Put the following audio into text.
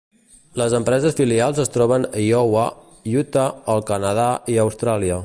Les empreses filials es troben a Iowa, Utah, el Canadà i Austràlia.